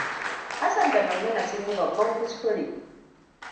Hassan da Maimuna sun yi babban kuskure.